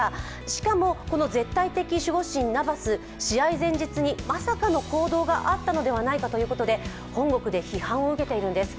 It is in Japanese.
しかも絶対的守護神ナバス、試合前日にまさかの行動があったのではないかということで本国で批判を受けているんです。